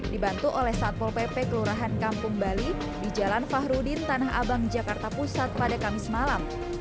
dibantu oleh satpol pp kelurahan kampung bali di jalan fahrudin tanah abang jakarta pusat pada kamis malam